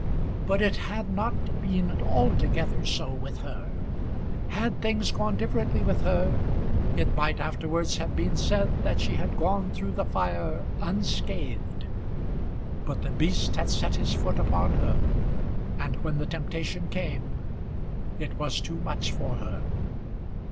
But it had not been altogether so with her. Had things gone differently with her it might afterwards have been said that she had gone through the fire unscathed. But the beast had set his foot upon her, and when the temptation came it was too much for her.